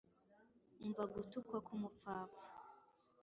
Umva gutukwa k'umupfapfa